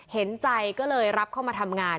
เห็นใจก็เลยรับเข้ามาทำงาน